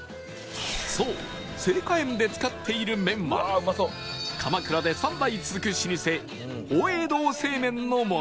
そう盛華園で使っている麺は鎌倉で３代続く老舗邦栄堂製麺のもの